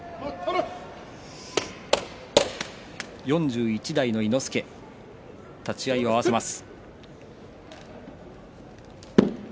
４１代の伊之助立ち合いを合わせます。